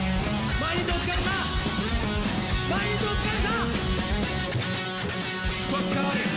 毎日お疲れさん！